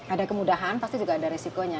ada kemudahan pasti juga ada risikonya